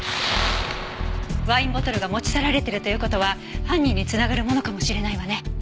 ワインボトルが持ち去られているという事は犯人につながるものかもしれないわね。